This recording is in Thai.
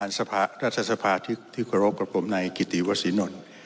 ท่านรัฐสภาที่กรบกับผมในกิติวสินนท์